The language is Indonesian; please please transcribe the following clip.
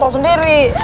kau tau sendiri